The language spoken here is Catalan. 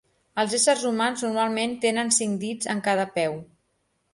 Els éssers humans normalment tenen cinc dits en cada peu.